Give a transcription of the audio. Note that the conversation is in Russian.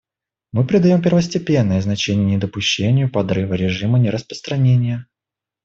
Мы придаем первостепенное значение недопущению подрыва режима нераспространения.